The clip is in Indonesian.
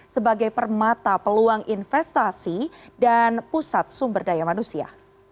sebagai permata peluang investasi dan pusat sumber daya manusia